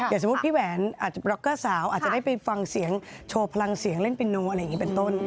สมมุติพี่แหวนอาจจะบล็อกเกอร์สาวอาจจะได้ไปฟังเสียงโชว์พลังเสียงเล่นปิโนอะไรอย่างนี้เป็นต้น